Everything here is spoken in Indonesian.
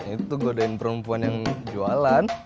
itu godain perempuan yang jualan